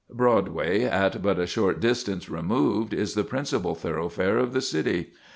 Broadway, at but a short distance removed, is the principal thoroughfare of the city.